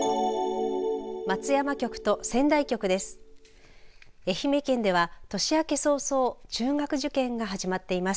松山局と仙台局です。